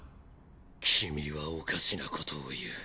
君はおかしなことを言う。